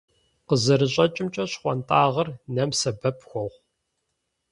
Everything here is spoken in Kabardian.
КъызэрыщӀэкӀымкӀэ, щхъуантӀагъэр нэм сэбэп хуохъу.